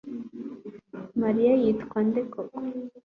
mariya yitwa nde koko